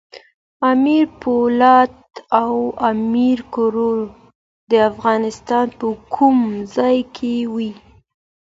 امیر پولاد او امیر کروړ د افغانستان په کوم ځای کې وو؟